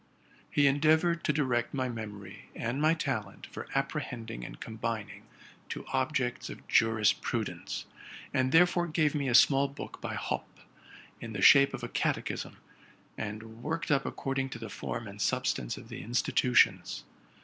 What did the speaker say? He endeavored to direct my memory and my talent for apprehending and com bining to objects of jurisprudence, and therefore gave me a small book by Hopp, in the shape of a catechism, and worked up according to the form and substance of the insti tutions.